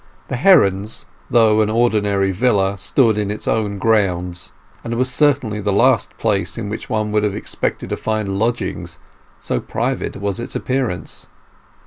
The Herons, though an ordinary villa, stood in its own grounds, and was certainly the last place in which one would have expected to find lodgings, so private was its appearance.